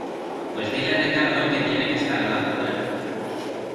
pues dile a Ricardo que tiene que estar a la altura